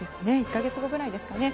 １か月後くらいですかね。